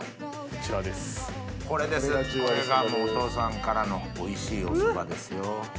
これがお父さんからのおいしいおそばですよ。